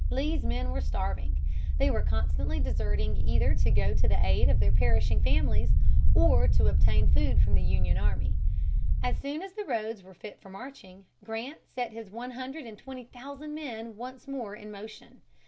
Lee's men were starving. They were constantly deserting either to go to the aid of their perishing families or to obtain food from the Union army. As soon as the roads were fit for marching, Grant set his one hundred and twenty thousand men once more in motion.